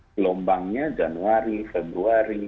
gelombangnya januari februari